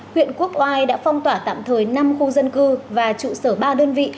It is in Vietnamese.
huyện quốc oai đã phong tỏa tạm thời năm khu dân cư và trụ sở ba đơn vị